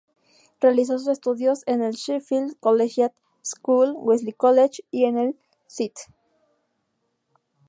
Realizó sus estudios en el Sheffield Collegiate School, Wesley College y en el St.